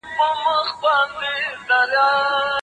د لویې جرګي د نویو راغلو غړو د ثبت نام مرکز چېرته دی؟